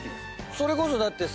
それこそだってさ